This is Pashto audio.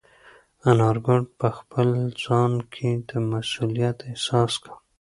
انارګل په خپل ځان کې د مسؤلیت احساس کاوه.